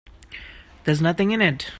There's nothing in it.